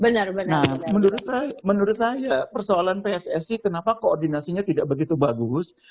nah menurut saya menurut saya persoalan pssi kenapa koordinasinya tidak begitu bagus